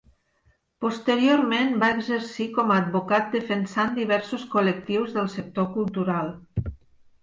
Posteriorment va exercir com a advocat defensant diversos col·lectius del sector cultural.